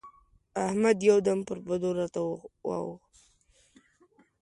احمد يو دم پر بدو راته واووښت.